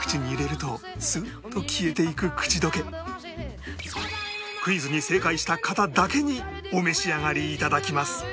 口に入れるとスッと消えていく口溶けクイズに正解した方だけにお召し上がりいただきます